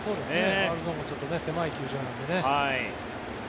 ファウルゾーンが狭い球場なんでね。